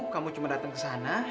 kamu cuma datang kesana